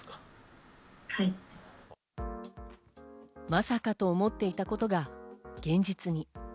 まさかと思っていたことが現実に。